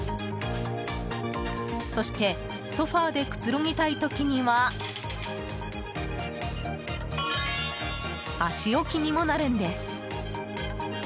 そしてソファでくつろぎたい時には足置きにもなるんです。